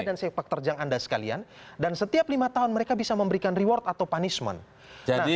dan sepak terjang anda sekalian dan setiap lima tahun mereka bisa memberikan reward atau punishment